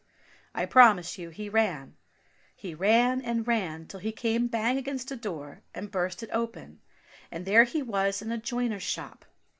I promise you he ran ; he ran and ran till he came bang against a door, and burst it open, and there he was^in a joiner's shop.